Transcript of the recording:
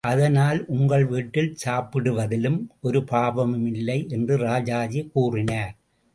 அதனால் உங்கள் வீட்டில் சாப்பிடுவதில் ஒரு பாவமும் இல்லை என்று ராஜாஜி கூறினார்.